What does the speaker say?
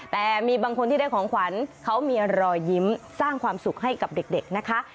แต่มีบางคนที่ได้ของขวัญเขามีรอยยิ้มสร้างความสุขให้กับเด็กนะคะ